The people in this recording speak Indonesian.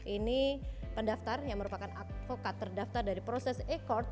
ini pendaftar yang merupakan advokat terdaftar dari proses e court